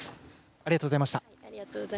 ありがとうございます。